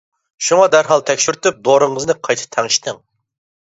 شۇڭا دەرھال تەكشۈرتۈپ دورىڭىزنى قايتا تەڭشىتىڭ.